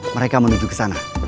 mereka menuju ke sana